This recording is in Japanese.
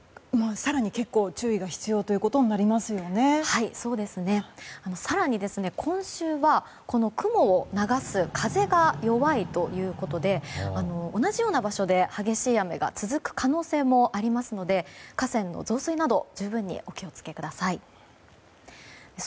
更に今週は雲を流す風が弱いということで同じような場所で激しい雨が続く可能性もありますので河川の増水など十分にお気を付けください。